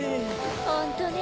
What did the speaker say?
ホントね。